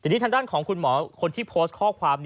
ทีนี้ทางด้านของคุณหมอคนที่โพสต์ข้อความ